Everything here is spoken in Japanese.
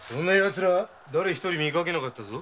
だれ一人みかけなかったぞ。